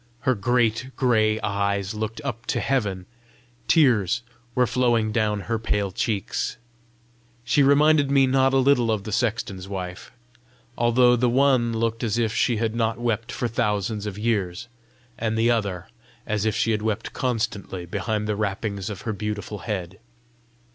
Her great gray eyes looked up to heaven; tears were flowing down her pale cheeks. She reminded me not a little of the sexton's wife, although the one looked as if she had not wept for thousands of years, and the other as if she wept constantly behind the wrappings of her beautiful head.